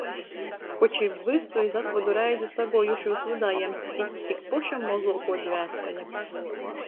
Koč i vysu iz atvodu reizi saguojušūs vydā jam tic tik poša mozuokuo dvēsele.